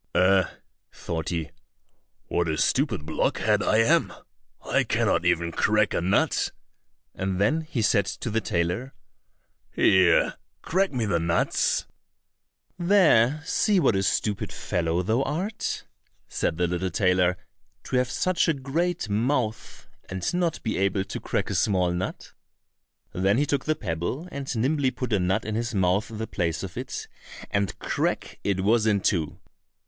"Eh!" thought he, "what a stupid blockhead I am! I cannot even crack a nut!" and then he said to the tailor, "Here, crack me the nuts." "There, see what a stupid fellow thou art!" said the little tailor, "to have such a great mouth, and not be able to crack a small nut!" Then he took the pebble and nimbly put a nut in his mouth in the place of it, and crack, it was in two!